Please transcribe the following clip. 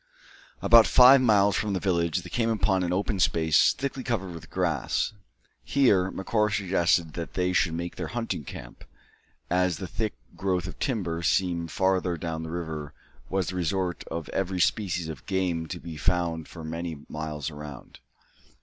About five miles from the village they came upon a small open space thickly covered with grass. Here Macora suggested that they should make their hunting camp, as the thick growth of timber seen farther down the river was the resort of every species of game to be found for many miles around.